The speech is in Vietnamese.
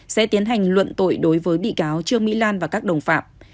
sẽ tiến hành luận tội đối với bị cáo trương mỹ lan và các đồng phạm